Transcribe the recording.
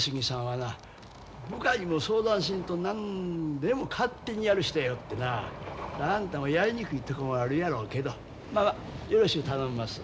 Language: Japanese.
はな部下にも相談せんと何でも勝手にやる人やよってなあんたもやりにくいとこもあるやろうけどまあまあよろしゅう頼んます。